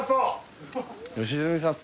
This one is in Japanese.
良純さん